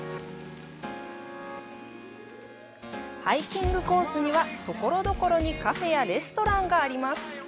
ハイキングコースには、ところどころにカフェやレストランがあります。